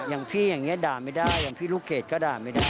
อย่างพี่อย่างนี้ด่าไม่ได้อย่างพี่ลูกเกดก็ด่าไม่ได้